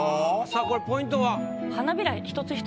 さあこれポイントは？